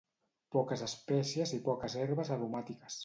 poques espècies i poques herbes aromàtiques